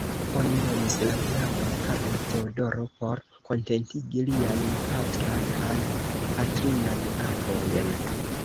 Oni nomis la knabon Karlo-Teodoro por kontentigi liajn patran kaj patrinan avojn.